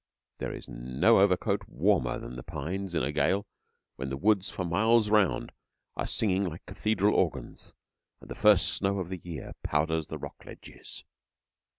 There is no overcoat warmer than the pines in a gale when the woods for miles round are singing like cathedral organs, and the first snow of the year powders the rock ledges.